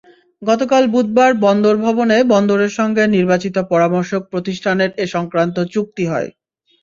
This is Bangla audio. গতকাল বুধবার বন্দর ভবনে বন্দরের সঙ্গে নির্বাচিত পরামর্শক প্রতিষ্ঠানের এ-সংক্রান্ত চুক্তি হয়।